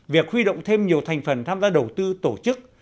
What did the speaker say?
việc huy động thêm nhiều thành phần tham gia đầu tư tổ chức